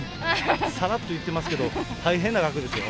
さらっと言ってますけど、大変な額ですよ。